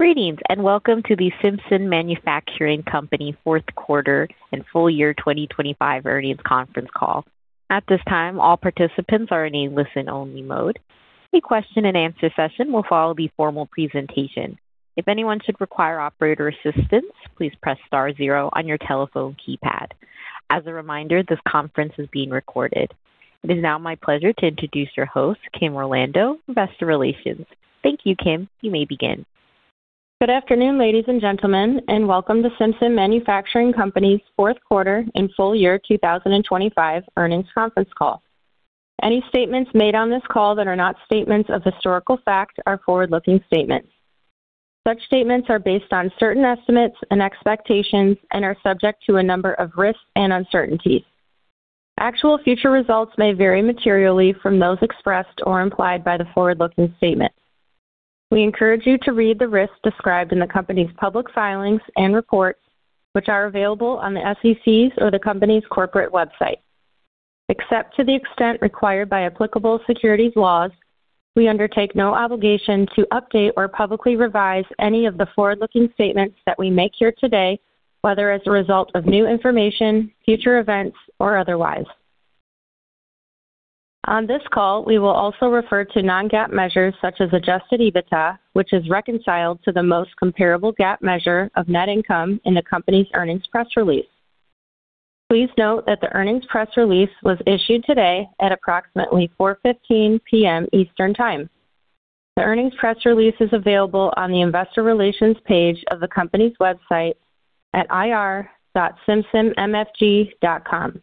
Greetings and welcome to the Simpson Manufacturing Company fourth quarter and full year 2025 earnings conference call. At this time, all participants are in a listen-only mode. A question-and-answer session will follow the formal presentation. If anyone should require operator assistance, please press star zero on your telephone keypad. As a reminder, this conference is being recorded. It is now my pleasure to introduce your host, Kim Orlando, Investor Relations. Thank you, Kim. You may begin. Good afternoon, ladies and gentlemen, and welcome to Simpson Manufacturing Company's fourth quarter and full year 2025 earnings conference call. Any statements made on this call that are not statements of historical fact are forward-looking statements. Such statements are based on certain estimates and expectations and are subject to a number of risks and uncertainties. Actual future results may vary materially from those expressed or implied by the forward-looking statement. We encourage you to read the risks described in the company's public filings and reports, which are available on the SEC's or the company's corporate website. Except to the extent required by applicable securities laws, we undertake no obligation to update or publicly revise any of the forward-looking statements that we make here today, whether as a result of new information, future events, or otherwise. On this call, we will also refer to non-GAAP measures such as adjusted EBITDA, which is reconciled to the most comparable GAAP measure of net income in the company's earnings press release. Please note that the earnings press release was issued today at approximately 4:15 P.M. Eastern Time. The earnings press release is available on the Investor Relations page of the company's website at ir.simpsonmfg.com.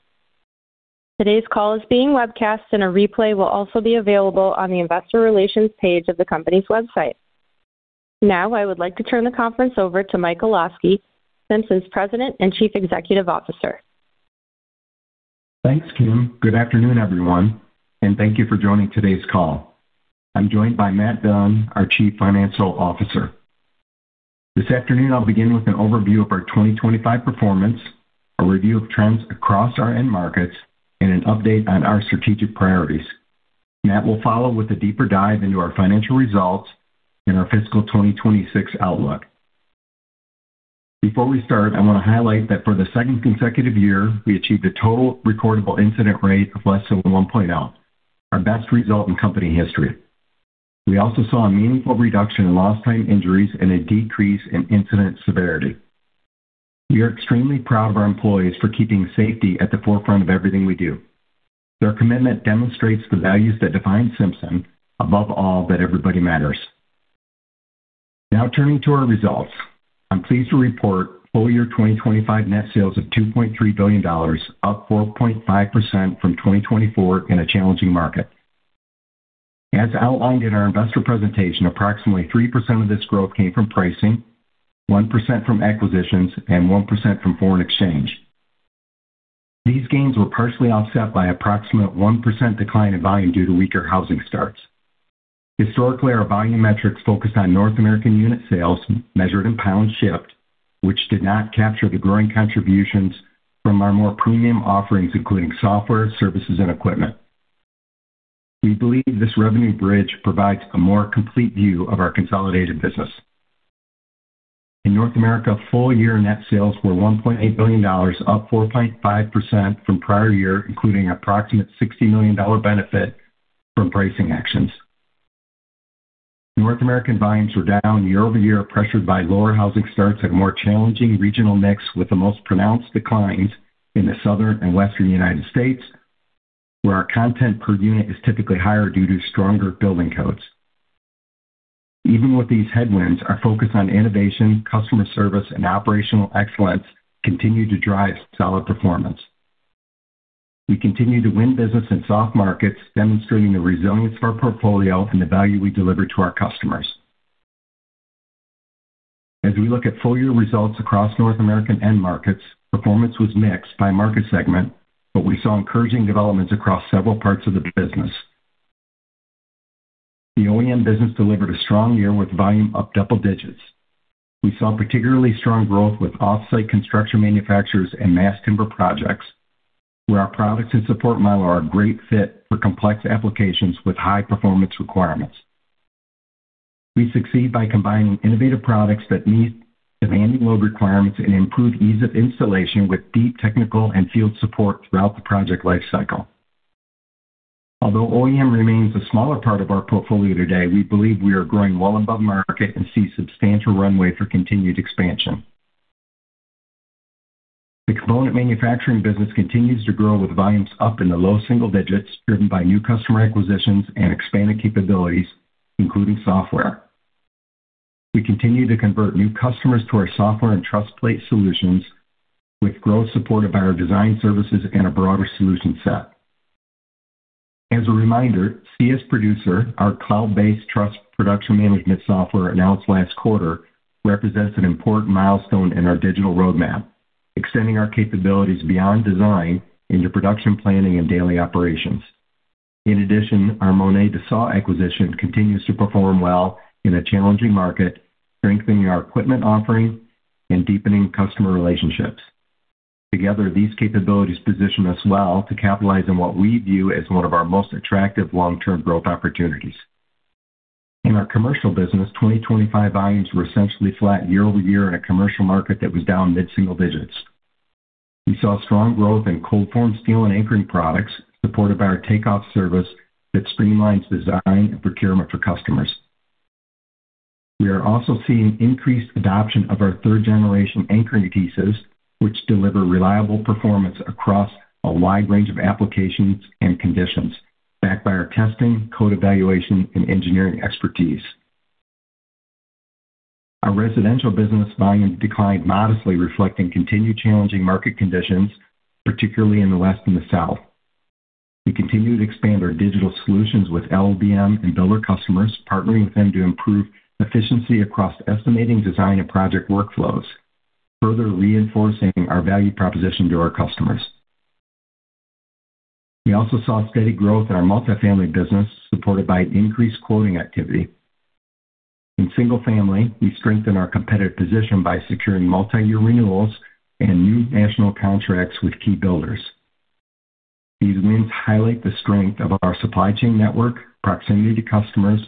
Today's call is being webcast, and a replay will also be available on the Investor Relations page of the company's website. Now, I would like to turn the conference over to Mike Olosky, Simpson's President and Chief Executive Officer. Thanks, Kim. Good afternoon, everyone, and thank you for joining today's call. I'm joined by Matt Dunn, our Chief Financial Officer. This afternoon, I'll begin with an overview of our 2025 performance, a review of trends across our end markets, and an update on our strategic priorities. Matt will follow with a deeper dive into our financial results and our fiscal 2026 outlook. Before we start, I want to highlight that for the second consecutive year, we achieved a total recordable incident rate of less than 1.0, our best result in company history. We also saw a meaningful reduction in lost-time injuries and a decrease in incident severity. We are extremely proud of our employees for keeping safety at the forefront of everything we do. Their commitment demonstrates the values that define Simpson: above all, that everybody matters. Now, turning to our results. I'm pleased to report full year 2025 net sales of $2.3 billion, up 4.5% from 2024 in a challenging market. As outlined in our investor presentation, approximately 3% of this growth came from pricing, 1% from acquisitions, and 1% from foreign exchange. These gains were partially offset by an approximate 1% decline in volume due to weaker housing starts. Historically, our volume metrics focused on North American unit sales measured in pound shipped, which did not capture the growing contributions from our more premium offerings, including software, services, and equipment. We believe this revenue bridge provides a more complete view of our consolidated business. In North America, full year net sales were $1.8 billion, up 4.5% from prior year, including an approximate $60 million benefit from pricing actions. North American volumes were down year-over-year, pressured by lower housing starts and a more challenging regional mix, with the most pronounced declines in the southern and Western United States, where our content per unit is typically higher due to stronger building codes. Even with these headwinds, our focus on innovation, customer service, and operational excellence continues to drive solid performance. We continue to win business in soft markets, demonstrating the resilience of our portfolio and the value we deliver to our customers. As we look at full year results across North American end markets, performance was mixed by market segment, but we saw encouraging developments across several parts of the business. The OEM business delivered a strong year with volume up double digits. We saw particularly strong growth with off-site construction manufacturers and mass timber projects, where our products and support model are a great fit for complex applications with high performance requirements. We succeed by combining innovative products that meet demanding load requirements and improve ease of installation with deep technical and field support throughout the project lifecycle. Although OEM remains a smaller part of our portfolio today, we believe we are growing well above market and see substantial runway for continued expansion. The component manufacturing business continues to grow with volumes up in the low single digits, driven by new customer acquisitions and expanded capabilities, including software. We continue to convert new customers to our software and truss plate solutions, with growth supported by our design services and a broader solution set. As a reminder, CS Producer, our cloud-based truss production management software announced last quarter, represents an important milestone in our digital roadmap, extending our capabilities beyond design into production planning and daily operations. In addition, our Monet DeSauw acquisition continues to perform well in a challenging market, strengthening our equipment offering and deepening customer relationships. Together, these capabilities position us well to capitalize on what we view as one of our most attractive long-term growth opportunities. In our commercial business, 2025 volumes were essentially flat year-over-year in a commercial market that was down mid-single digits. We saw strong growth in cold-formed steel and anchoring products, supported by our takeoff service that streamlines design and procurement for customers. We are also seeing increased adoption of our third-generation anchoring adhesives, which deliver reliable performance across a wide range of applications and conditions, backed by our testing, code evaluation, and engineering expertise. Our residential business volume declined modestly, reflecting continued challenging market conditions, particularly in the west and the south. We continue to expand our digital solutions with LBM and builder customers, partnering with them to improve efficiency across estimating design and project workflows, further reinforcing our value proposition to our customers. We also saw steady growth in our multifamily business, supported by increased quoting activity. In single family, we strengthen our competitive position by securing multi-year renewals and new national contracts with key builders. These wins highlight the strength of our supply chain network, proximity to customers,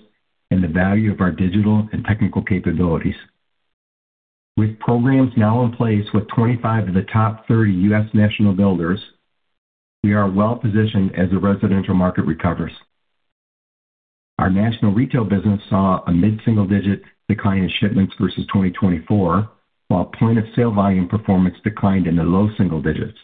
and the value of our digital and technical capabilities. With programs now in place with 25 of the top 30 U.S. national builders, we are well positioned as the residential market recovers. Our national retail business saw a mid-single digit decline in shipments versus 2024, while point-of-sale volume performance declined in the low single digits.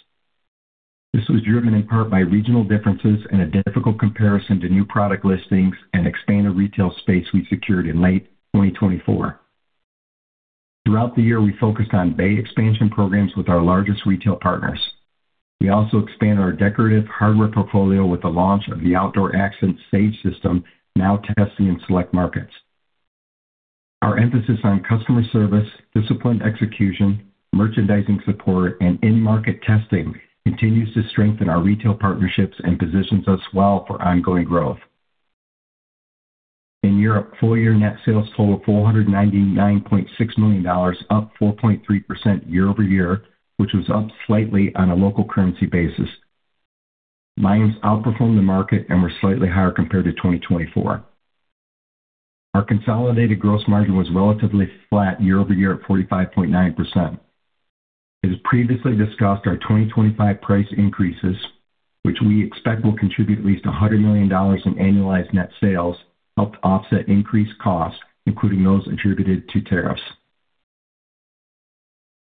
This was driven in part by regional differences and a difficult comparison to new product listings and expanded retail space we secured in late 2024. Throughout the year, we focused on bay expansion programs with our largest retail partners. We also expanded our decorative hardware portfolio with the launch of the Outdoor Accents Sage System, now testing in select markets. Our emphasis on customer service, disciplined execution, merchandising support, and in-market testing continues to strengthen our retail partnerships and positions us well for ongoing growth. In Europe, full year net sales totaled $499.6 million, up 4.3% year-over-year, which was up slightly on a local currency basis. Volumes outperformed the market and were slightly higher compared to 2024. Our consolidated gross margin was relatively flat year-over-year at 45.9%. As previously discussed, our 2025 price increases, which we expect will contribute at least $100 million in annualized net sales, helped offset increased costs, including those attributed to tariffs.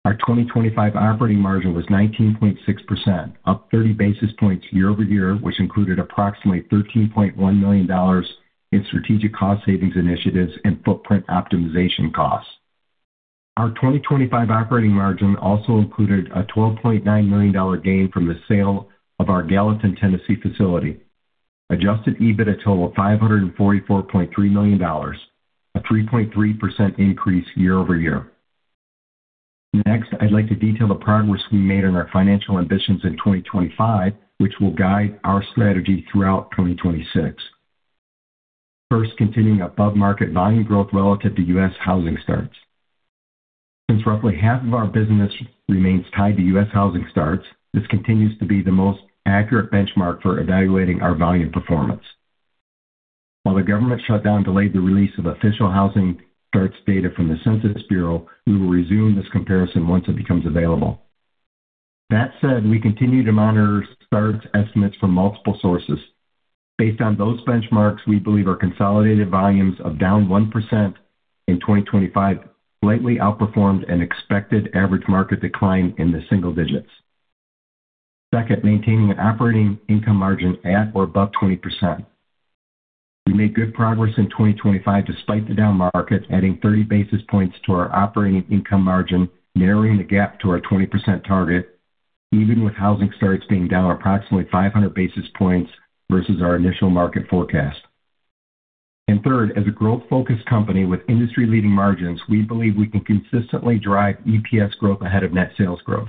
Our 2025 operating margin was 19.6%, up 30 basis points year-over-year, which included approximately $13.1 million in strategic cost savings initiatives and footprint optimization costs. Our 2025 operating margin also included a $12.9 million gain from the sale of our Gallatin, Tennessee facility. Adjusted EBITDA total of $544.3 million, a 3.3% increase year-over-year. Next, I'd like to detail the progress we made on our financial ambitions in 2025, which will guide our strategy throughout 2026. First, continuing above-market volume growth relative to U.S. housing starts. Since roughly half of our business remains tied to U.S. housing starts, this continues to be the most accurate benchmark for evaluating our volume performance. While the government shutdown delayed the release of official housing starts data from the Census Bureau, we will resume this comparison once it becomes available. That said, we continue to monitor starts estimates from multiple sources. Based on those benchmarks, we believe our consolidated volumes of down 1% in 2025 slightly outperformed an expected average market decline in the single digits. Second, maintaining an operating income margin at or above 20%. We made good progress in 2025 despite the down market, adding 30 basis points to our operating income margin, narrowing the gap to our 20% target, even with housing starts being down approximately 500 basis points versus our initial market forecast. And third, as a growth-focused company with industry-leading margins, we believe we can consistently drive EPS growth ahead of net sales growth.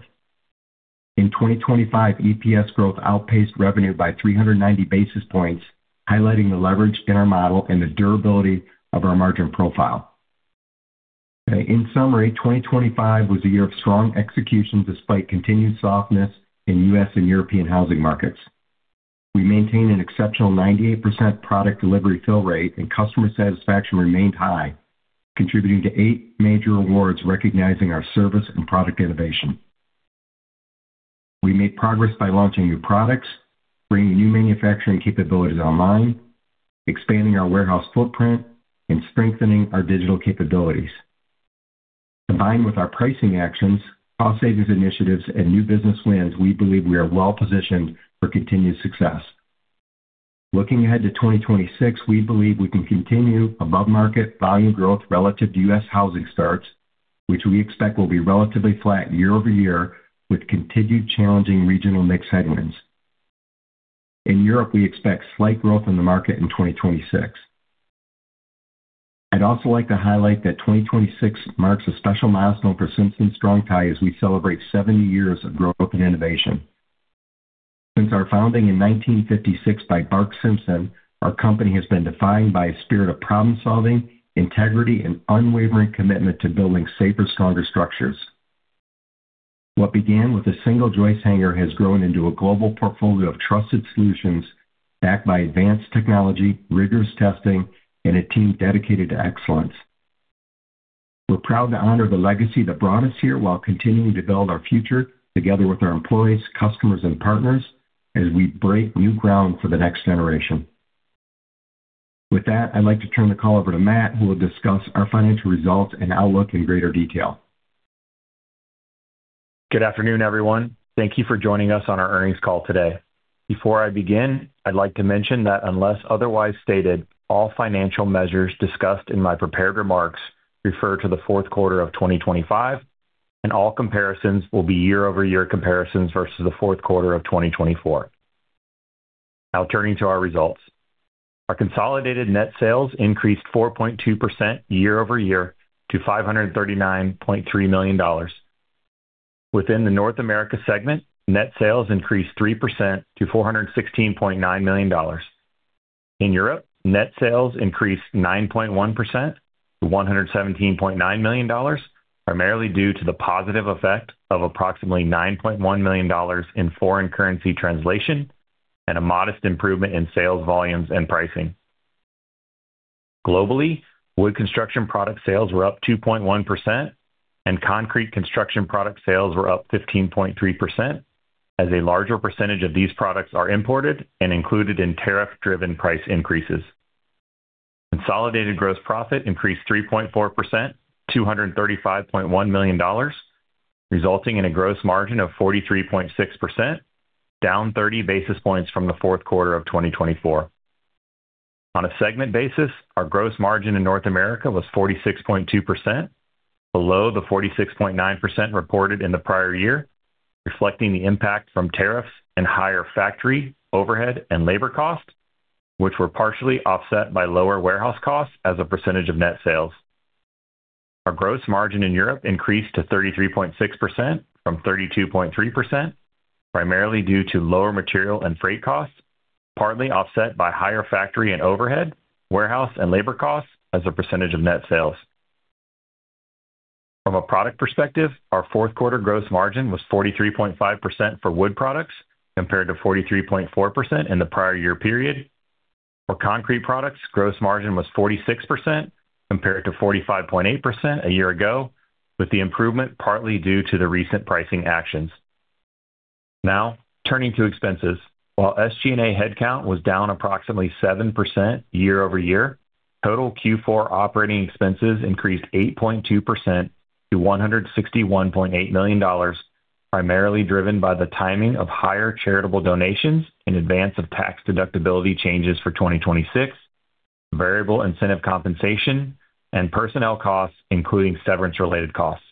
In 2025, EPS growth outpaced revenue by 390 basis points, highlighting the leverage in our model and the durability of our margin profile. In summary, 2025 was a year of strong execution despite continued softness in U.S. and European housing markets. We maintained an exceptional 98% product delivery fill rate, and customer satisfaction remained high, contributing to eight major awards recognizing our service and product innovation. We made progress by launching new products, bringing new manufacturing capabilities online, expanding our warehouse footprint, and strengthening our digital capabilities. Combined with our pricing actions, cost savings initiatives, and new business wins, we believe we are well positioned for continued success. Looking ahead to 2026, we believe we can continue above-market volume growth relative to U.S. housing starts, which we expect will be relatively flat year-over-year with continued challenging regional mix headwinds. In Europe, we expect slight growth in the market in 2026. I'd also like to highlight that 2026 marks a special milestone for Simpson Strong-Tie as we celebrate 70 years of growth and innovation. Since our founding in 1956 by Barc Simpson, our company has been defined by a spirit of problem-solving, integrity, and unwavering commitment to building safer, stronger structures. What began with a single joist hanger has grown into a global portfolio of trusted solutions backed by advanced technology, rigorous testing, and a team dedicated to excellence. We're proud to honor the legacy that brought us here while continuing to build our future together with our employees, customers, and partners as we break new ground for the next generation. With that, I'd like to turn the call over to Matt, who will discuss our financial results and outlook in greater detail. Good afternoon, everyone. Thank you for joining us on our earnings call today. Before I begin, I'd like to mention that unless otherwise stated, all financial measures discussed in my prepared remarks refer to the fourth quarter of 2025, and all comparisons will be year-over-year comparisons versus the fourth quarter of 2024. Now, turning to our results. Our consolidated net sales increased 4.2% year-over-year to $539.3 million. Within the North America segment, net sales increased 3% to $416.9 million. In Europe, net sales increased 9.1% to $117.9 million, primarily due to the positive effect of approximately $9.1 million in foreign currency translation and a modest improvement in sales volumes and pricing. Globally, wood construction product sales were up 2.1%, and concrete construction product sales were up 15.3% as a larger percentage of these products are imported and included in tariff-driven price increases. Consolidated gross profit increased 3.4% to $235.1 million, resulting in a gross margin of 43.6%, down 30 basis points from the fourth quarter of 2024. On a segment basis, our gross margin in North America was 46.2%, below the 46.9% reported in the prior year, reflecting the impact from tariffs and higher factory overhead and labor costs, which were partially offset by lower warehouse costs as a percentage of net sales. Our gross margin in Europe increased to 33.6% from 32.3%, primarily due to lower material and freight costs, partly offset by higher factory and overhead, warehouse, and labor costs as a percentage of net sales. From a product perspective, our fourth quarter gross margin was 43.5% for wood products compared to 43.4% in the prior year period. For concrete products, gross margin was 46% compared to 45.8% a year ago, with the improvement partly due to the recent pricing actions. Now, turning to expenses. While SG&A headcount was down approximately 7% year-over-year, total Q4 operating expenses increased 8.2% to $161.8 million, primarily driven by the timing of higher charitable donations in advance of tax deductibility changes for 2026, variable incentive compensation, and personnel costs, including severance-related costs.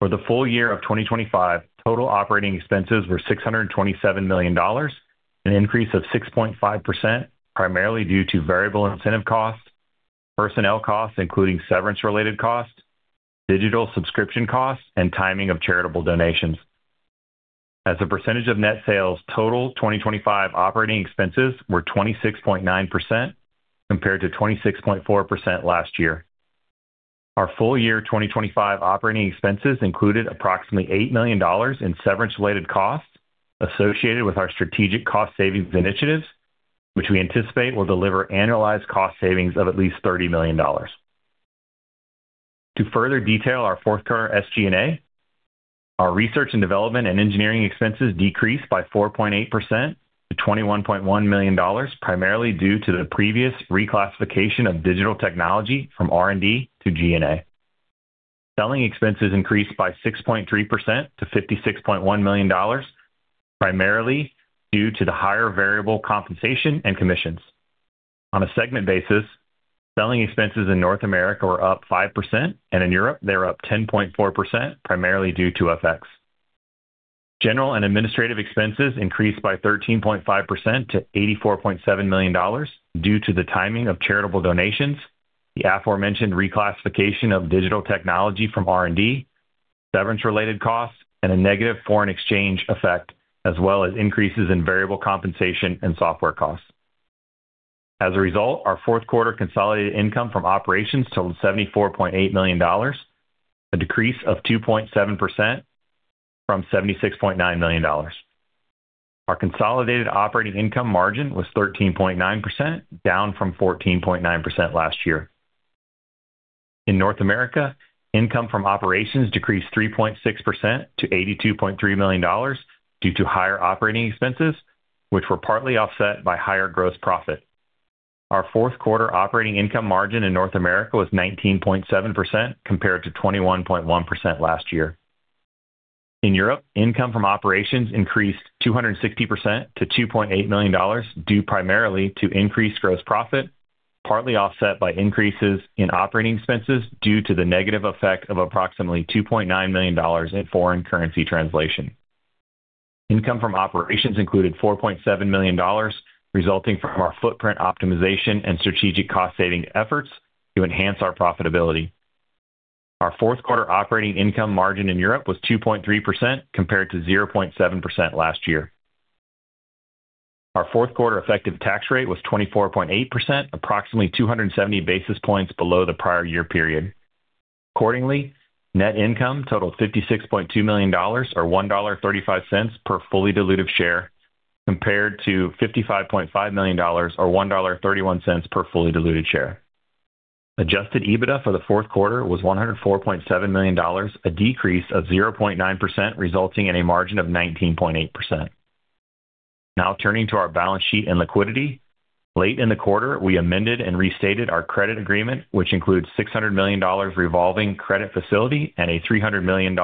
For the full year of 2025, total operating expenses were $627 million, an increase of 6.5%, primarily due to variable incentive costs, personnel costs, including severance-related costs, digital subscription costs, and timing of charitable donations. As a percentage of net sales, total 2025 operating expenses were 26.9% compared to 26.4% last year. Our full year 2025 operating expenses included approximately $8 million in severance-related costs associated with our strategic cost savings initiatives, which we anticipate will deliver annualized cost savings of at least $30 million. To further detail our fourth quarter SG&A, our research and development and engineering expenses decreased by 4.8% to $21.1 million, primarily due to the previous reclassification of digital technology from R&D to G&A. Selling expenses increased by 6.3% to $56.1 million, primarily due to the higher variable compensation and commissions. On a segment basis, selling expenses in North America were up 5%, and in Europe, they were up 10.4%, primarily due to FX. General and administrative expenses increased by 13.5% to $84.7 million due to the timing of charitable donations, the aforementioned reclassification of digital technology from R&D, severance-related costs, and a negative foreign exchange effect, as well as increases in variable compensation and software costs. As a result, our fourth quarter consolidated income from operations totaled $74.8 million, a decrease of 2.7% from $76.9 million. Our consolidated operating income margin was 13.9%, down from 14.9% last year. In North America, income from operations decreased 3.6% to $82.3 million due to higher operating expenses, which were partly offset by higher gross profit. Our fourth quarter operating income margin in North America was 19.7% compared to 21.1% last year. In Europe, income from operations increased 260% to $2.8 million due primarily to increased gross profit, partly offset by increases in operating expenses due to the negative effect of approximately $2.9 million in foreign currency translation. Income from operations included $4.7 million, resulting from our footprint optimization and strategic cost savings efforts to enhance our profitability. Our fourth quarter operating income margin in Europe was 2.3% compared to 0.7% last year. Our fourth quarter effective tax rate was 24.8%, approximately 270 basis points below the prior year period. Accordingly, net income totaled $56.2 million or $1.35 per fully diluted share compared to $55.5 million or $1.31 per fully diluted share. Adjusted EBITDA for the fourth quarter was $104.7 million, a decrease of 0.9%, resulting in a margin of 19.8%. Now, turning to our balance sheet and liquidity. Late in the quarter, we amended and restated our credit agreement, which includes $600 million revolving credit facility and a $300 million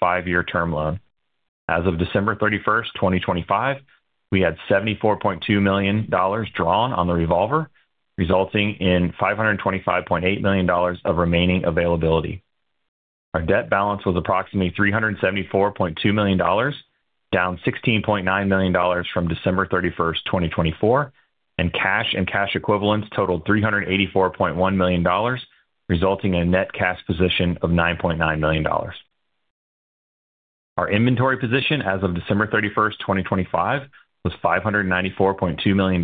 five-year term loan. As of December 31st, 2025, we had $74.2 million drawn on the revolver, resulting in $525.8 million of remaining availability. Our debt balance was approximately $374.2 million, down $16.9 million from December 31st, 2024, and cash and cash equivalents totaled $384.1 million, resulting in a net cash position of $9.9 million. Our inventory position as of December 31st, 2025, was $594.2 million,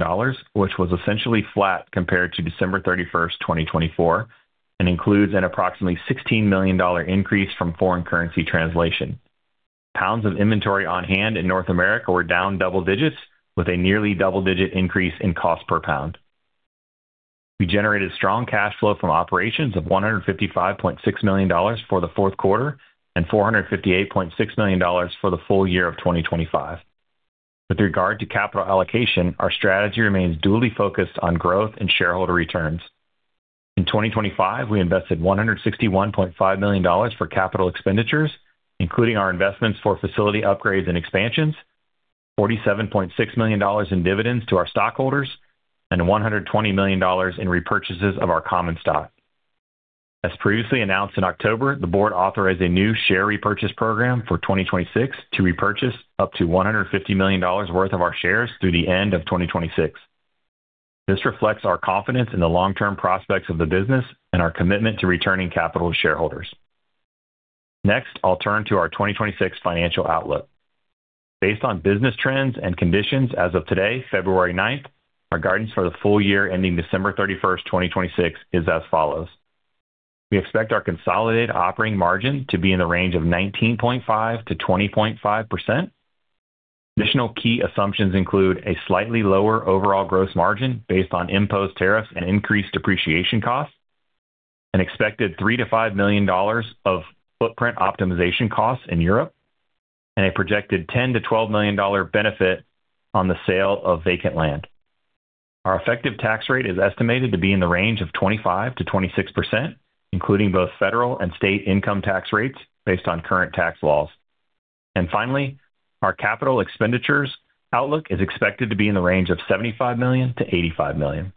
which was essentially flat compared to December 31st, 2024, and includes an approximately $16 million increase from foreign currency translation. Pounds of inventory on hand in North America were down double digits with a nearly double-digit increase in cost per pound. We generated strong cash flow from operations of $155.6 million for the fourth quarter and $458.6 million for the full year of 2025. With regard to capital allocation, our strategy remains duly focused on growth and shareholder returns. In 2025, we invested $161.5 million for capital expenditures, including our investments for facility upgrades and expansions, $47.6 million in dividends to our stockholders, and $120 million in repurchases of our common stock. As previously announced in October, the board authorized a new share repurchase program for 2026 to repurchase up to $150 million worth of our shares through the end of 2026. This reflects our confidence in the long-term prospects of the business and our commitment to returning capital to shareholders. Next, I'll turn to our 2026 financial outlook. Based on business trends and conditions as of today, February 9th, our guidance for the full year ending December 31st, 2026, is as follows. We expect our consolidated operating margin to be in the range of 19.5%-20.5%. Additional key assumptions include a slightly lower overall gross margin based on imposed tariffs and increased depreciation costs, an expected $3-$5 million of footprint optimization costs in Europe, and a projected $10-$12 million benefit on the sale of vacant land. Our effective tax rate is estimated to be in the range of 25%-26%, including both federal and state income tax rates based on current tax laws. And finally, our capital expenditures outlook is expected to be in the range of $75-$85 million.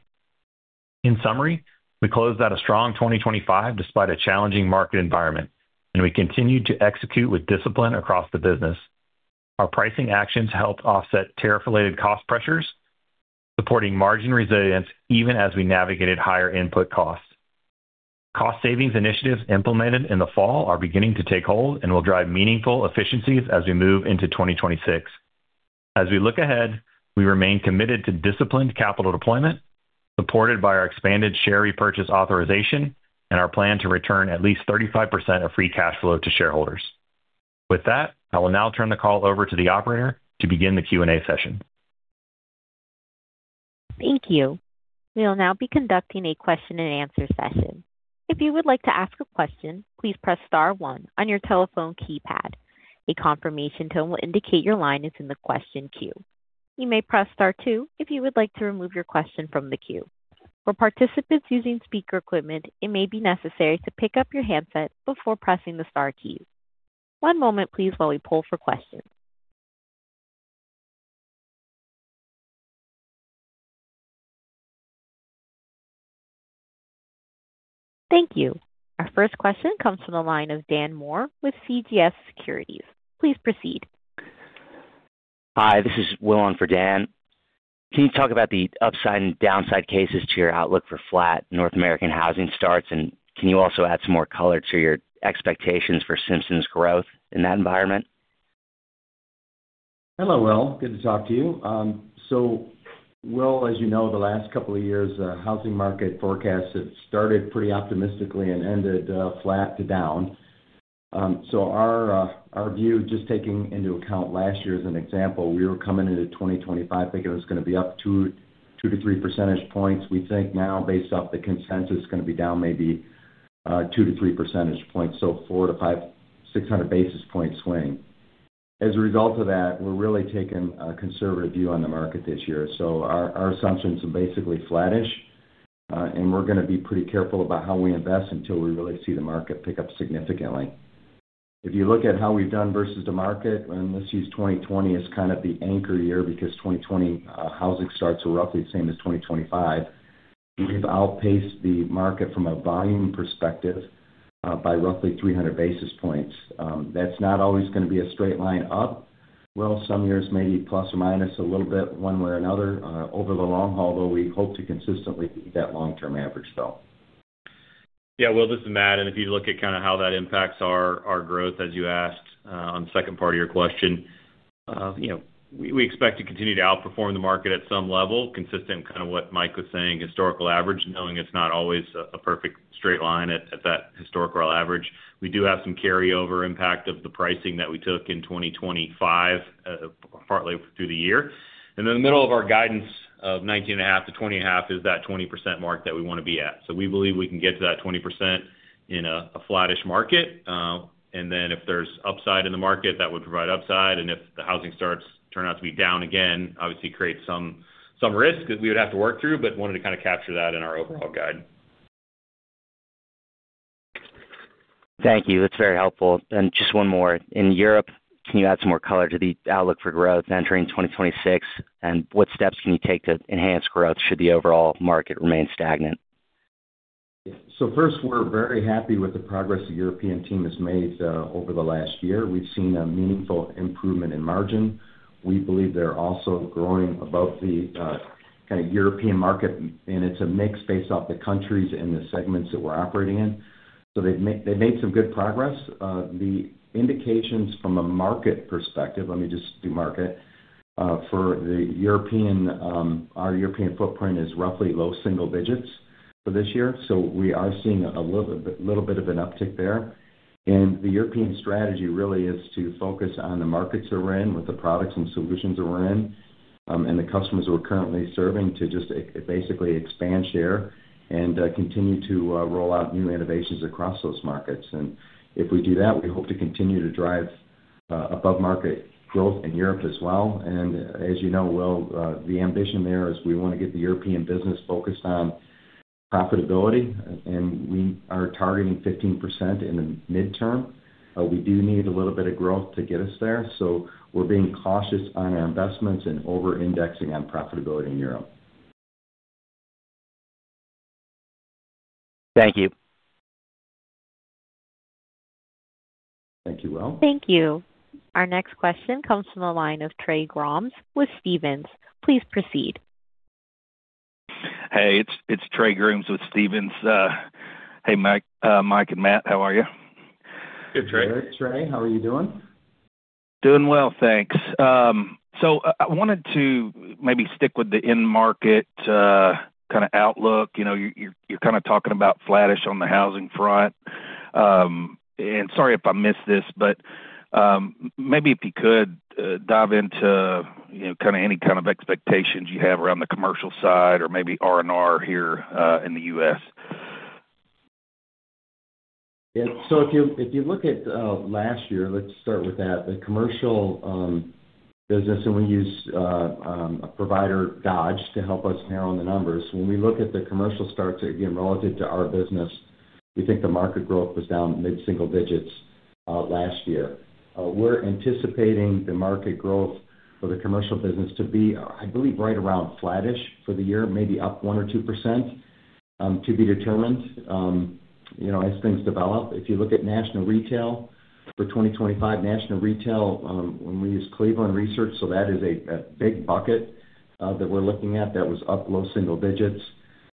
In summary, we closed out a strong 2025 despite a challenging market environment, and we continued to execute with discipline across the business. Our pricing actions helped offset tariff-related cost pressures, supporting margin resilience even as we navigated higher input costs. Cost savings initiatives implemented in the fall are beginning to take hold and will drive meaningful efficiencies as we move into 2026. As we look ahead, we remain committed to disciplined capital deployment, supported by our expanded share repurchase authorization and our plan to return at least 35% of free cash flow to shareholders. With that, I will now turn the call over to the operator to begin the Q&A session. Thank you. We will now be conducting a question-and-answer session. If you would like to ask a question, please press star one on your telephone keypad. A confirmation tone will indicate your line is in the question queue. You may press star two if you would like to remove your question from the queue. For participants using speaker equipment, it may be necessary to pick up your handset before pressing the star keys. One moment, please, while we pull for questions. Thank you. Our first question comes from the line of Dan Moore with CJS Securities. Please proceed. Hi, this is Will on for Dan. Can you talk about the upside and downside cases to your outlook for flat North American housing starts, and can you also add some more color to your expectations for Simpson's growth in that environment? Hello, Will. Good to talk to you. So, Will, as you know, the last couple of years, the housing market forecasts have started pretty optimistically and ended flat to down. So, our view, just taking into account last year as an example, we were coming into 2025 thinking it was going to be up 2-3 percentage points. We think now, based off the consensus, it's going to be down maybe 2-3 percentage points, so 400-600 basis points swing. As a result of that, we're really taking a conservative view on the market this year. So, our assumptions are basically flat-ish, and we're going to be pretty careful about how we invest until we really see the market pick up significantly. If you look at how we've done versus the market, and let's use 2020 as kind of the anchor year because 2020 housing starts are roughly the same as 2025, we've outpaced the market from a volume perspective by roughly 300 basis points. That's not always going to be a straight line up. Well, some years may be plus or minus a little bit one way or another. Over the long haul, though, we hope to consistently beat that long-term average, though. Yeah, Will, this is Matt. If you look at kind of how that impacts our growth, as you asked on the second part of your question, we expect to continue to outperform the market at some level, consistent with kind of what Mike was saying, historical average, knowing it's not always a perfect straight line at that historical average. We do have some carryover impact of the pricing that we took in 2025, partly through the year. Then the middle of our guidance of 19.5%-20.5% is that 20% mark that we want to be at. So we believe we can get to that 20% in a flat-ish market. And then if there's upside in the market, that would provide upside. If the housing starts turn out to be down again, obviously creates some risk that we would have to work through, but wanted to kind of capture that in our overall guide. Thank you. That's very helpful. And just one more. In Europe, can you add some more color to the outlook for growth entering 2026, and what steps can you take to enhance growth should the overall market remain stagnant? Yeah. So first, we're very happy with the progress the European team has made over the last year. We've seen a meaningful improvement in margin. We believe they're also growing above the kind of European market, and it's a mix based off the countries and the segments that we're operating in. So they've made some good progress. The indications from a market perspective let me just do market. For the European, our European footprint is roughly low single digits for this year. So we are seeing a little bit of an uptick there. And the European strategy really is to focus on the markets that we're in, with the products and solutions that we're in, and the customers that we're currently serving to just basically expand share and continue to roll out new innovations across those markets. And if we do that, we hope to continue to drive above-market growth in Europe as well. And as you know, Will, the ambition there is we want to get the European business focused on profitability, and we are targeting 15% in the midterm. But we do need a little bit of growth to get us there. So we're being cautious on our investments and over-indexing on profitability in Europe. Thank you. Thank you, Will. Thank you. Our next question comes from the line of Trey Grooms with Stephens. Please proceed. Hey, it's Trey Grooms with Stephens. Hey, Mike and Matt, how are you? Good, Trey. Good, Trey. How are you doing? Doing well, thanks. So I wanted to maybe stick with the in-market kind of outlook. You're kind of talking about flat-ish on the housing front. And sorry if I missed this, but maybe if you could dive into kind of any kind of expectations you have around the commercial side or maybe R&R here in the U.S.? Yeah. So if you look at last year, let's start with that. The commercial business, and we use a provider, Dodge, to help us narrow in the numbers. When we look at the commercial starts, again, relative to our business, we think the market growth was down mid-single digits last year. We're anticipating the market growth for the commercial business to be, I believe, right around flat-ish for the year, maybe up 1 or 2%, to be determined as things develop. If you look at national retail for 2025, national retail, when we use Cleveland Research, so that is a big bucket that we're looking at that was up low single digits.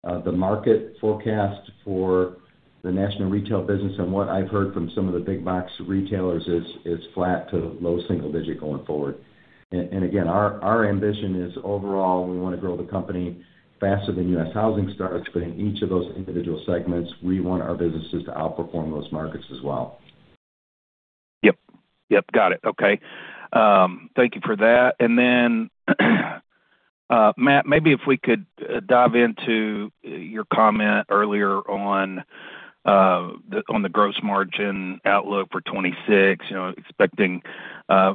The market forecast for the national retail business and what I've heard from some of the big-box retailers is flat to low single digit going forward. And again, our ambition is overall, we want to grow the company faster than U.S. housing starts, but in each of those individual segments, we want our businesses to outperform those markets as well. Yep. Yep. Got it. Okay. Thank you for that. And then, Matt, maybe if we could dive into your comment earlier on the Gross Margin outlook for 2026, expecting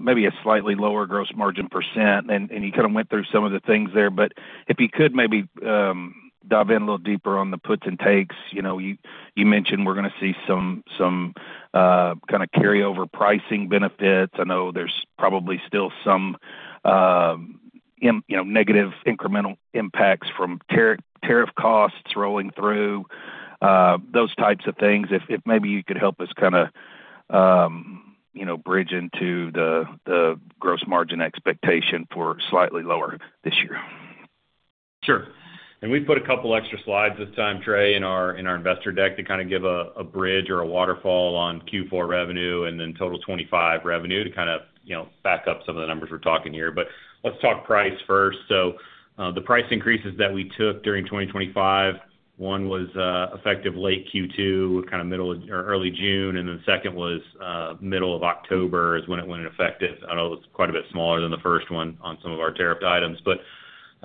maybe a slightly lower Gross Margin percent. And you kind of went through some of the things there, but if you could maybe dive in a little deeper on the puts and takes. You mentioned we're going to see some kind of carryover pricing benefits. I know there's probably still some negative incremental impacts from tariff costs rolling through, those types of things. If maybe you could help us kind of bridge into the Gross Margin expectation for slightly lower this year. Sure. And we've put a couple extra slides this time, Trey, in our investor deck to kind of give a bridge or a waterfall on Q4 revenue and then total 2025 revenue to kind of back up some of the numbers we're talking here. But let's talk price first. So the price increases that we took during 2025, one was effective late Q2, kind of middle or early June, and then the second was middle of October is when it went in effective. I know it was quite a bit smaller than the first one on some of our tariffed items. But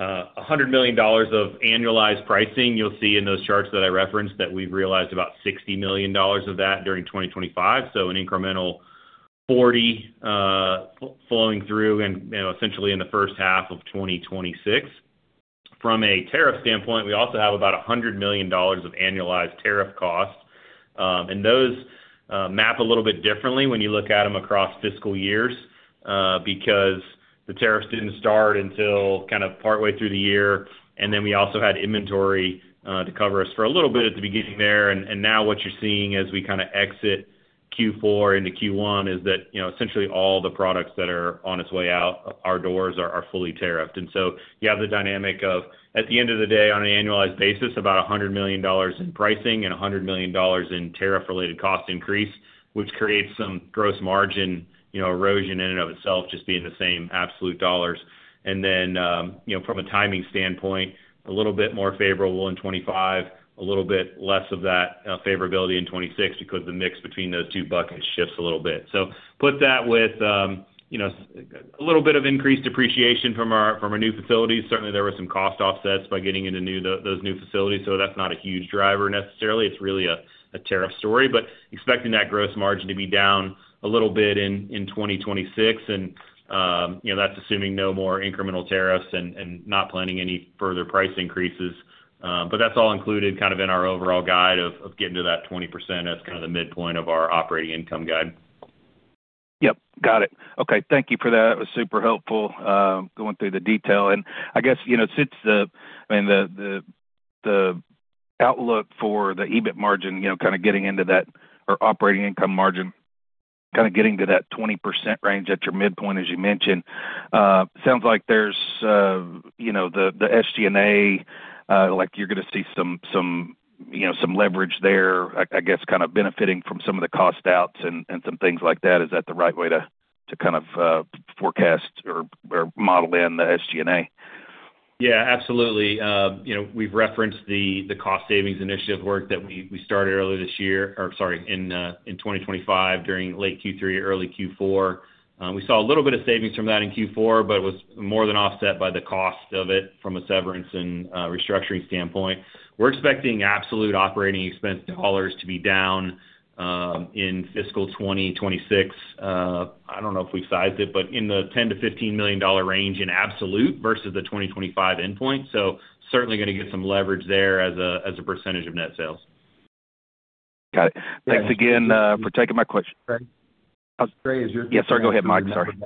$100 million of annualized pricing, you'll see in those charts that I referenced that we've realized about $60 million of that during 2025, so an incremental $40 million flowing through essentially in the first half of 2026. From a tariff standpoint, we also have about $100 million of annualized tariff costs. And those map a little bit differently when you look at them across fiscal years because the tariffs didn't start until kind of partway through the year, and then we also had inventory to cover us for a little bit at the beginning there. And now what you're seeing as we kind of exit Q4 into Q1 is that essentially all the products that are on its way out, our doors, are fully tariffed. And so you have the dynamic of, at the end of the day, on an annualized basis, about $100 million in pricing and $100 million in tariff-related cost increase, which creates some gross margin erosion in and of itself, just being the same absolute dollars. Then from a timing standpoint, a little bit more favorable in 2025, a little bit less of that favorability in 2026 because the mix between those two buckets shifts a little bit. Put that with a little bit of increased depreciation from our new facilities. Certainly, there were some cost offsets by getting into those new facilities, so that's not a huge driver necessarily. It's really a tariff story. Expecting that Gross Margin to be down a little bit in 2026, and that's assuming no more incremental tariffs and not planning any further price increases. That's all included kind of in our overall guide of getting to that 20% as kind of the midpoint of our operating income guide. Yep. Got it. Okay. Thank you for that. That was super helpful going through the detail. And I guess since the—I mean, the outlook for the EBIT margin, kind of getting into that or operating income margin, kind of getting to that 20% range at your midpoint, as you mentioned, sounds like there's the SG&A, you're going to see some leverage there, I guess, kind of benefiting from some of the cost outs and some things like that. Is that the right way to kind of forecast or model in the SG&A? Yeah, absolutely. We've referenced the cost savings initiative work that we started earlier this year or sorry, in 2025 during late Q3, early Q4. We saw a little bit of savings from that in Q4, but it was more than offset by the cost of it from a severance and restructuring standpoint. We're expecting absolute operating expense dollars to be down in fiscal 2026. I don't know if we've sized it, but in the $10 million-$15 million range in absolute versus the 2025 endpoint. So certainly going to get some leverage there as a percentage of net sales. Got it. Thanks again for taking my question. Trey, is your question? Yeah, sorry. Go ahead, Mike. Sorry.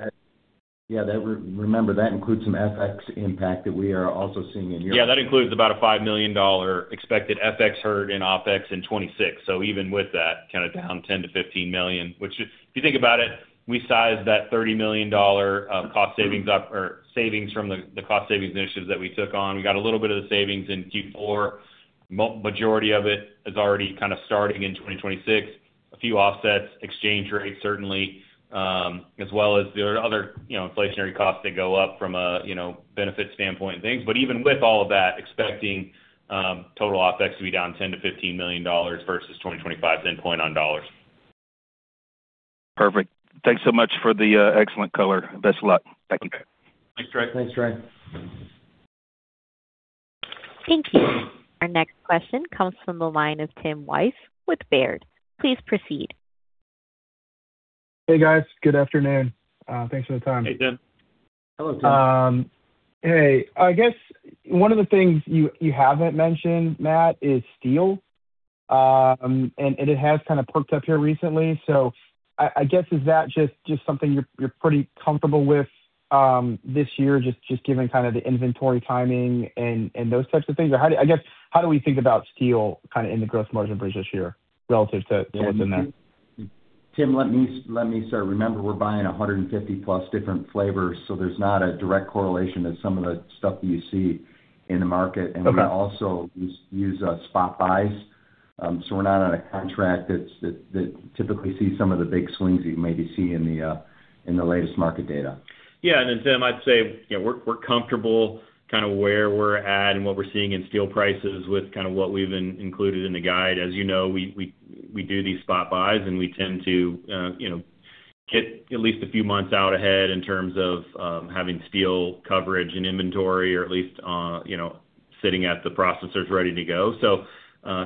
Yeah, remember, that includes some FX impact that we are also seeing in Europe. Yeah, that includes about a $5 million expected FX hurt in OpEx in 2026. So even with that, kind of down $10-$15 million, which if you think about it, we sized that $30 million of cost savings up or savings from the cost savings initiatives that we took on. We got a little bit of the savings in Q4. Majority of it is already kind of starting in 2026. A few offsets, exchange rates, certainly, as well as the other inflationary costs that go up from a benefit standpoint and things. But even with all of that, expecting total OpEx to be down $10-$15 million versus 2025's endpoint on dollars. Perfect. Thanks so much for the excellent color. Best of luck. Thank you. Thanks, Trey. Thanks, Trey. Thank you. Our next question comes from the line of Tim Wojs with Baird. Please proceed. Hey, guys. Good afternoon. Thanks for the time. Hey, Tim. Hello, Tim. Hey. I guess one of the things you haven't mentioned, Matt, is steel. And it has kind of perked up here recently. So I guess, is that just something you're pretty comfortable with this year, just given kind of the inventory timing and those types of things? Or I guess, how do we think about steel kind of in the gross margin bridge this year relative to what's in there? Tim, let me start. Remember, we're buying 150+ different flavors, so there's not a direct correlation to some of the stuff that you see in the market. And we also use spot buys. So we're not on a contract that typically sees some of the big swings that you maybe see in the latest market data. Yeah. And then, Tim, I'd say we're comfortable kind of where we're at and what we're seeing in steel prices with kind of what we've included in the guide. As you know, we do these spot buys, and we tend to get at least a few months out ahead in terms of having steel coverage and inventory or at least sitting at the processors ready to go. So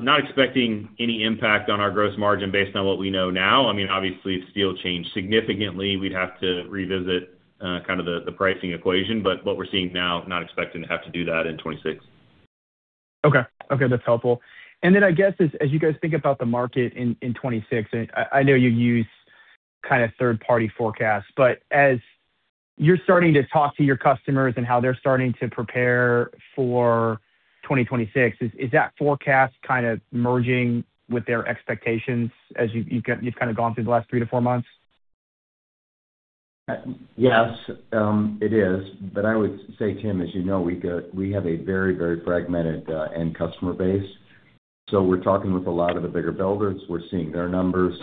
not expecting any impact on our gross margin based on what we know now. I mean, obviously, if steel changed significantly, we'd have to revisit kind of the pricing equation. But what we're seeing now, not expecting to have to do that in 2026. Okay. Okay. That's helpful. And then I guess, as you guys think about the market in 2026 and I know you use kind of third-party forecasts, but as you're starting to talk to your customers and how they're starting to prepare for 2026, is that forecast kind of merging with their expectations as you've kind of gone through the last three to four months? Yes, it is. But I would say, Tim, as you know, we have a very, very fragmented end customer base. So we're talking with a lot of the bigger builders. We're seeing their numbers.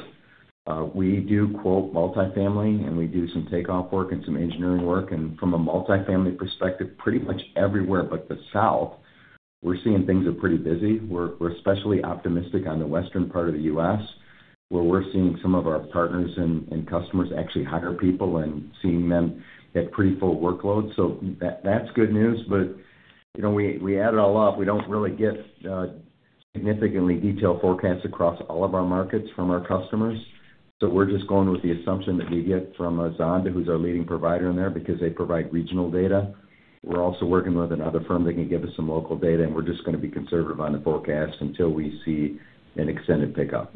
We do quote multifamily, and we do some takeoff work and some engineering work. And from a multifamily perspective, pretty much everywhere but the South, we're seeing things are pretty busy. We're especially optimistic on the Western part of the U.S. where we're seeing some of our partners and customers actually hire people and seeing them get pretty full workloads. So that's good news. But we add it all up. We don't really get significantly detailed forecasts across all of our markets from our customers. So we're just going with the assumption that we get from Zonda, who's our leading provider in there because they provide regional data. We're also working with another firm that can give us some local data, and we're just going to be conservative on the forecast until we see an extended pickup.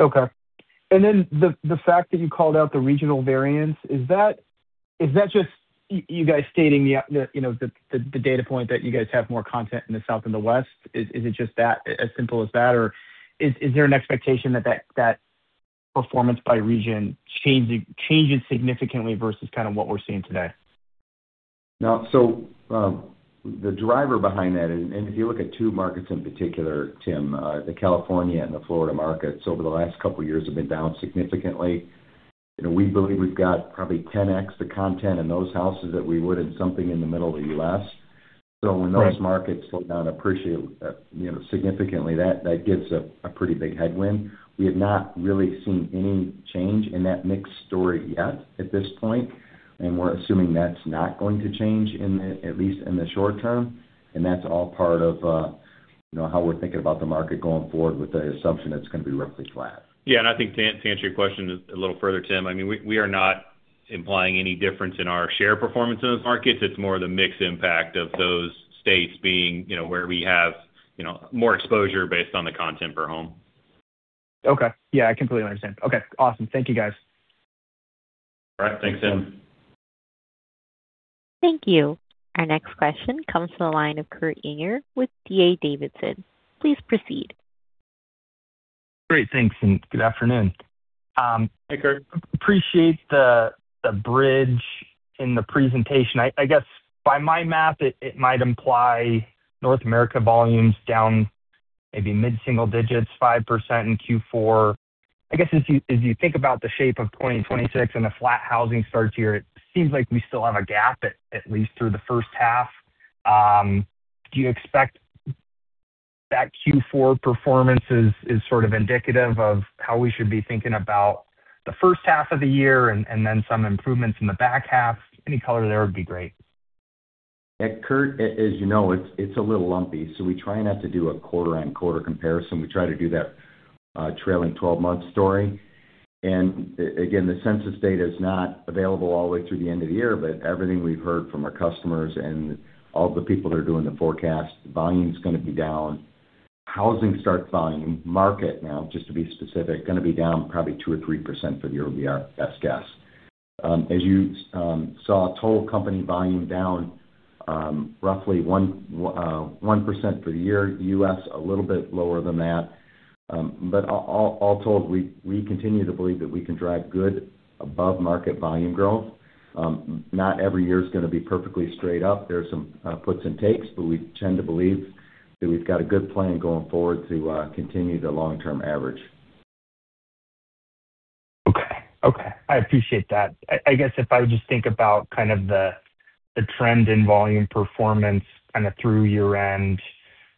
Okay. And then the fact that you called out the regional variance, is that just you guys stating the data point that you guys have more content in the south than the west? Is it just that, as simple as that? Or is there an expectation that that performance by region changes significantly versus kind of what we're seeing today? No. So the driver behind that is, and if you look at two markets in particular, Tim, the California and the Florida markets, over the last couple of years have been down significantly. We believe we've got probably 10x the content in those houses that we would in something in the middle of the U.S. So when those markets slow down appreciably significantly, that gives a pretty big headwind. We have not really seen any change in that mix story yet at this point. And we're assuming that's not going to change, at least in the short term. And that's all part of how we're thinking about the market going forward with the assumption it's going to be roughly flat. Yeah. I think to answer your question a little further, Tim, I mean, we are not implying any difference in our share performance in those markets. It's more the mixed impact of those states being where we have more exposure based on the content per home. Okay. Yeah, I completely understand. Okay. Awesome. Thank you, guys. All right. Thanks, Tim. Thank you. Our next question comes from the line of Kurt Yinger with D.A. Davidson. Please proceed. Great. Thanks. And good afternoon. Hey, Kurt. Appreciate the bridge in the presentation. I guess, by my math, it might imply North America volumes down maybe mid-single digits, 5% in Q4. I guess, as you think about the shape of 2026 and the flat housing starts here, it seems like we still have a gap, at least through the first half. Do you expect that Q4 performance is sort of indicative of how we should be thinking about the first half of the year and then some improvements in the back half? Any color there would be great. Yeah, Kurt, as you know, it's a little lumpy. So we try not to do a quarter-on-quarter comparison. We try to do that trailing 12-month story. And again, the census data is not available all the way through the end of the year, but everything we've heard from our customers and all the people that are doing the forecast, volume's going to be down. Housing starts volume, market now, just to be specific, going to be down probably 2%-3% for the year, would be our best guess. As you saw, total company volume down roughly 1% for the year, U.S. a little bit lower than that. But all told, we continue to believe that we can drive good above-market volume growth. Not every year is going to be perfectly straight up. There are some puts and takes, but we tend to believe that we've got a good plan going forward to continue the long-term average. Okay. Okay. I appreciate that. I guess if I would just think about kind of the trend in volume performance kind of through year-end,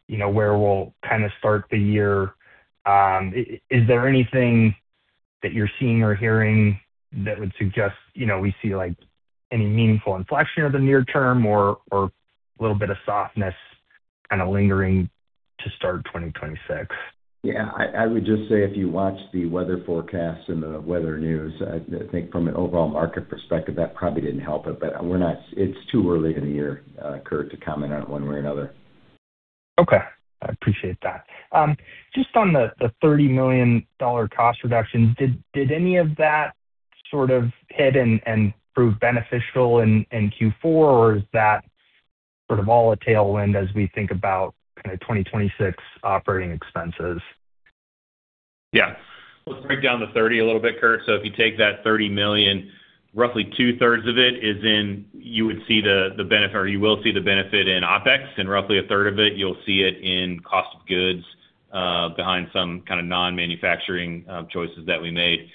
where we'll kind of start the year, is there anything that you're seeing or hearing that would suggest we see any meaningful inflection of the near term or a little bit of softness kind of lingering to start 2026? Yeah. I would just say if you watch the weather forecasts and the weather news, I think from an overall market perspective, that probably didn't help it. But it's too early in the year, Kurt, to comment on it one way or another. Okay. I appreciate that. Just on the $30 million cost reduction, did any of that sort of hit and prove beneficial in Q4, or is that sort of all a tailwind as we think about kind of 2026 operating expenses? Yeah. Let's break down the $30 million a little bit, Kurt. So if you take that $30 million, roughly two-thirds of it is in you would see the benefit or you will see the benefit in OpEx. And roughly a third of it, you'll see it in cost of goods behind some kind of non-manufacturing choices that we made.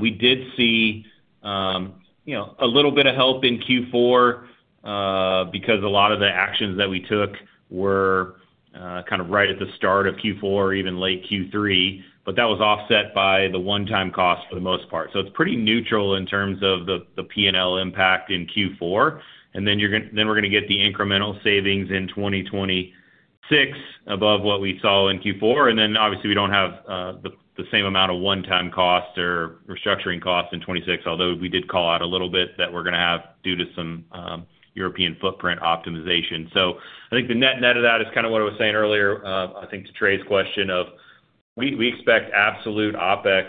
We did see a little bit of help in Q4 because a lot of the actions that we took were kind of right at the start of Q4 or even late Q3, but that was offset by the one-time cost for the most part. So it's pretty neutral in terms of the P&L impact in Q4. And then we're going to get the incremental savings in 2026 above what we saw in Q4. And then, obviously, we don't have the same amount of one-time cost or restructuring costs in 2026, although we did call out a little bit that we're going to have due to some European footprint optimization. So I think the net-net of that is kind of what I was saying earlier, I think, to Trey's question of we expect absolute OpEx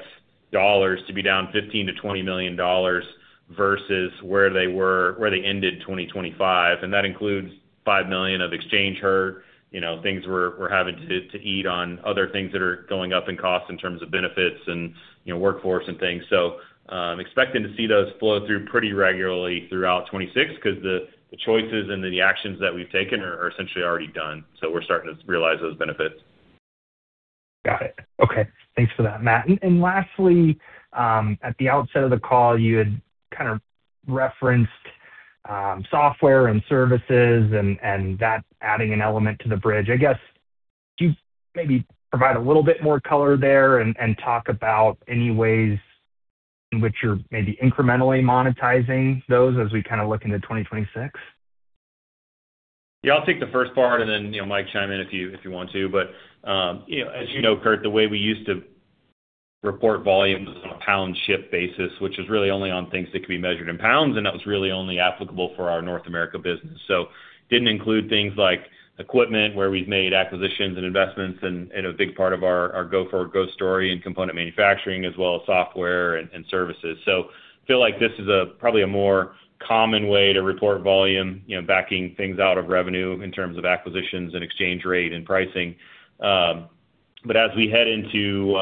dollars to be down $15 million-$20 million versus where they ended 2025. And that includes $5 million of exchange hurt. Things we're having to eat on other things that are going up in cost in terms of benefits and workforce and things. So expecting to see those flow through pretty regularly throughout 2026 because the choices and the actions that we've taken are essentially already done. So we're starting to realize those benefits. Got it. Okay. Thanks for that, Matt. And lastly, at the outset of the call, you had kind of referenced software and services and that adding an element to the bridge. I guess, could you maybe provide a little bit more color there and talk about any ways in which you're maybe incrementally monetizing those as we kind of look into 2026? Yeah. I'll take the first part, and then Mike chime in if you want to. But as you know, Kurt, the way we used to report volume was on a pounds shipped basis, which is really only on things that could be measured in pounds. And that was really only applicable for our North America business. So it didn't include things like equipment where we've made acquisitions and investments in a big part of our go-for-growth story and component manufacturing as well as software and services. So I feel like this is probably a more common way to report volume, backing things out of revenue in terms of acquisitions and exchange rate and pricing. But as we head into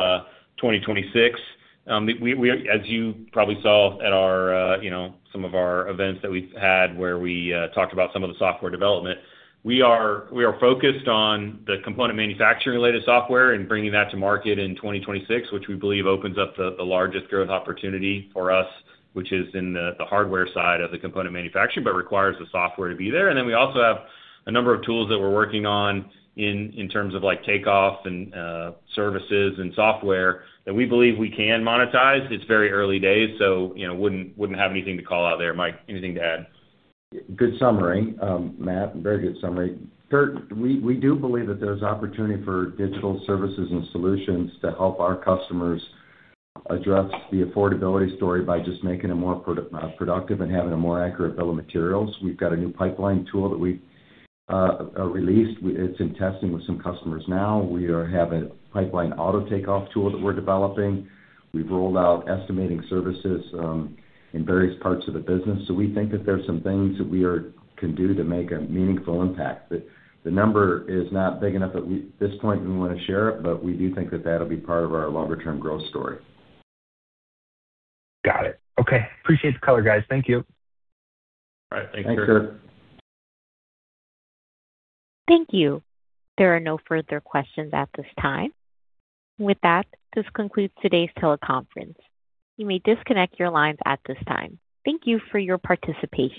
2026, as you probably saw at some of our events that we've had where we talked about some of the software development, we are focused on the component manufacturing-related software and bringing that to market in 2026, which we believe opens up the largest growth opportunity for us, which is in the hardware side of the component manufacturing but requires the software to be there. And then we also have a number of tools that we're working on in terms of takeoff and services and software that we believe we can monetize. It's very early days, so wouldn't have anything to call out there. Mike, anything to add? Good summary, Matt. Very good summary. Kurt, we do believe that there's opportunity for digital services and solutions to help our customers address the affordability story by just making them more productive and having a more accurate bill of materials. We've got a new pipeline tool that we've released. It's in testing with some customers now. We have a pipeline auto takeoff tool that we're developing. We've rolled out estimating services in various parts of the business. So we think that there's some things that we can do to make a meaningful impact. The number is not big enough at this point that we want to share it, but we do think that that'll be part of our longer-term growth story. Got it. Okay. Appreciate the color, guys. Thank you. All right. Thanks, Kurt. Thanks, Kurt. Thank you. There are no further questions at this time. With that, this concludes today's teleconference. You may disconnect your lines at this time. Thank you for your participation.